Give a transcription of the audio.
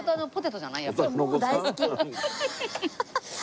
もう大好き。